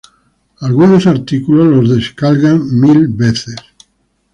Los artículos son descargados algunos mil veces.